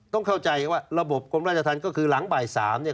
ต้องเข้าใจว่าระบบกรมราชธรรมก็คือหลังบ่าย๓เนี่ย